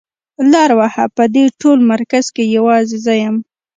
لار وهه په دې ټول مرکز کې يوازې زه يم.